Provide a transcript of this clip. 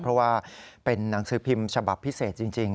เพราะว่าเป็นหนังสือพิมพ์ฉบับพิเศษจริง